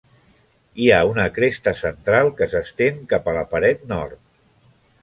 Hi ha una cresta central que s'estén cap a la paret nord.